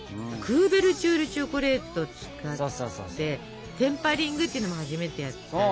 クーベルチュールチョコレートを使ってテンパリングっていうのも初めてやったでしょ。